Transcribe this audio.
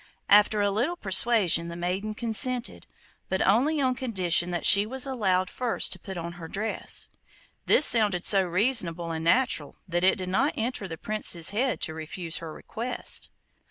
After a little persuasion the maiden consented, but only on condition that she was allowed first to put on her dress. This sounded so reasonable and natural that it did not enter the Prince's head to refuse her request.